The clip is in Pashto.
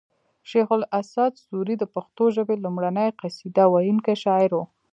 شیخ اسعد سوري د پښتو ژبې لومړنۍ قصیده ویونکی شاعر و